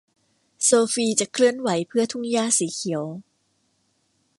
โซฟีจะเคลื่อนไหวเพื่อทุ่งหญ้าสีเขียว